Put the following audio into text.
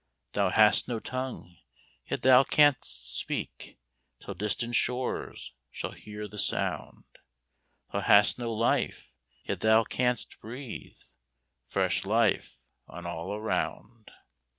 Thou hast no tongue, yet thou canst speak, Till distant shores shall hear the sound; Thou hast no life, yet thou canst breathe Fresh life on all around.